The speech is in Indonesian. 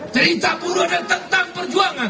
cerita buruh adalah tentang perjuangan